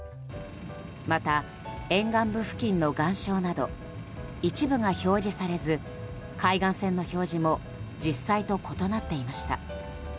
また、沿岸部付近の岩礁など一部が表示されず海岸線の表示も実際と異なっていました。